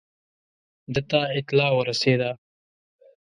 ده ته اطلاع ورسېده.